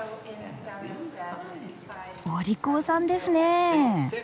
お利口さんですね。